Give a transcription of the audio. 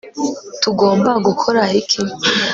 tugomba gukora iki